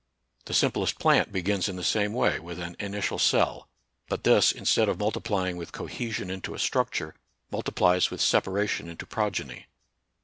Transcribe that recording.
The simplest plant begins in the same way with an initial cell, but this, instead of multiplying with cohesion into a structure, multiplies with separation into pro geny.